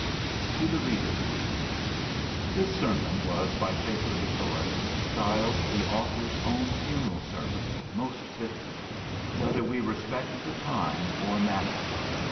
_ TO THE READER _This sermon was, by sacred authority, styled the author's own funeral sermon, most fitly, whether we respect the time or matter.